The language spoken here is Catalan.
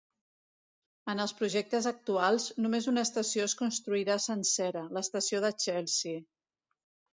En els projectes actuals, només una estació es construirà sencera, l'estació de Chelsea.